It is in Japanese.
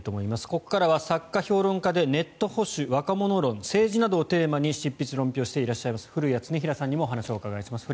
ここからは作家・評論家でネット保守、若者論政治などをテーマに執筆・論評をしています古谷経衡さんにもお話をお伺いします。